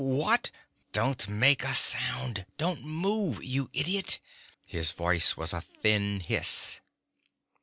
"What " "Don't make a sound! Don't move, you idiot!" His voice was a thin hiss.